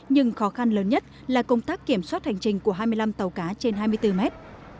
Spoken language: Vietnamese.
nhưng khó khăn lớn nhất là công tác kiểm soát hành trình của hai mươi năm tàu cá trên hai mươi bốn mét